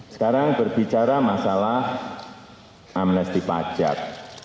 sekarang berbicara masalah amnesti pajak